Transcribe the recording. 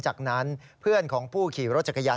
มันเกิดเหตุเป็นเหตุที่บ้านกลัว